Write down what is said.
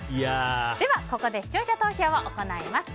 では、ここで視聴者投票を行います。